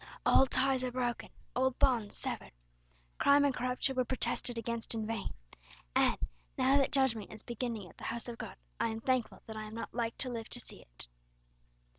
Old ties are broken, old bonds severed. Crime and corruption were protested against in vain; and, now that judgment is beginning at the house of God, I am thankful that I am not like to live to see it."